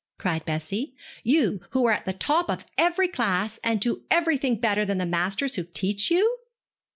cried Bessie, 'you who are at the top of every class, and who do everything better than the masters who teach you?'